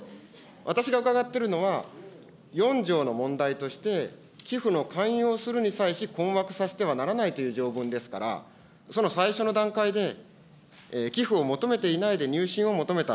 私が伺ってるのは、４条の問題として、寄付の勧誘をするに際し、困惑させてはならないという条文ですから、その最初の段階で、寄付を求めていないで入信を求めた。